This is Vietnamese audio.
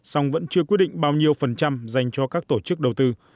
song vẫn chưa quyết định bao nhiêu phần trăm dành cho các tổ chức đầu tư